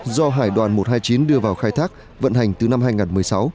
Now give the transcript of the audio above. do hải đoàn một trăm hai mươi chín đưa vào khai thác vận hành từ năm hai nghìn một mươi sáu